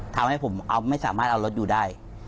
ทำให้ผมไม่สามารถเอารถอยู่ได้